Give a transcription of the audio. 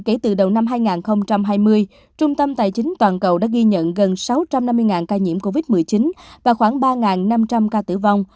kể từ đầu năm hai nghìn hai mươi trung tâm tài chính toàn cầu đã ghi nhận gần sáu trăm năm mươi ca nhiễm covid một mươi chín và khoảng ba năm trăm linh ca tử vong